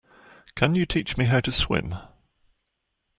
Can you teach me how to swim?